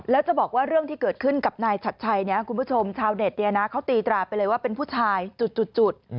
แล้วจะบอกว่าเรื่องที่เกิดขึ้นกับนายชัดชัยเนี่ยคุณผู้ชมชาวเน็ตเขาตีตราไปเลยว่าเป็นผู้ชายจุด